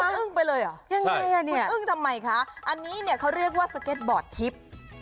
ยังไงอ่ะนี่คุณอึ้งทำไมคะอันนี้เนี่ยเขาเรียกว่าสเก็ตบอร์ดทิป